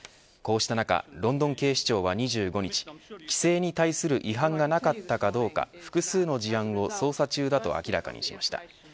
こうした中ロンドン警視庁は２５日規制に対する違反がなかったかどうか複数の事案を捜査中だと明らかにしました。